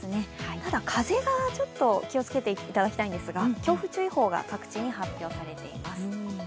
ただ、風がちょっと気をつけていただきたいんですが強風注意報が各地に発表されています。